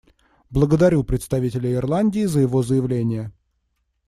Благодарю представителя Ирландии за его заявление.